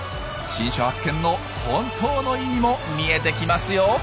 新種発見の本当の意味も見えてきますよ！